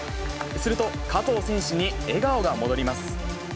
すると、加藤選手に笑顔が戻ります。